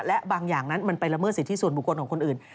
และบางอย่างนั้นมันไปละเมิดสิทธิส่วนบุคคลของคนอื่น